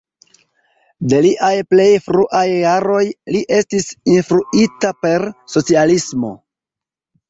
De liaj plej fruaj jaroj, li estis influita per socialismo.